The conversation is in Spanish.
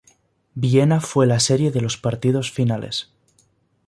Viena fue la sede de los partidos finales.